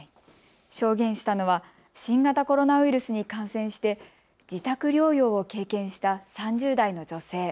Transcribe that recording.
証言したのは新型コロナウイルスに感染して自宅療養を経験した３０代の女性。